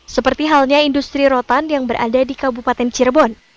seperti halnya industri rotan yang berada di kabupaten cirebon